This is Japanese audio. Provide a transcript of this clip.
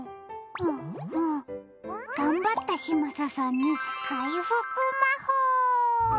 うんうん、頑張った嶋佐さんに回復魔法。